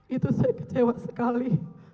itu saya kecewa sekali